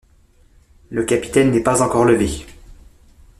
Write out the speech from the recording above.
Le capitaine n’est pas encore levé!